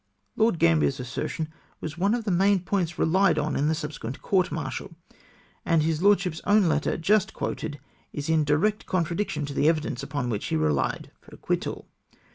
Lord Gambier's assertion was one of the main points relied on in the subsequent court martial, and his lordship's own letter just quoted is in direct contradiction to the evidence upon which he rehed for acquittal.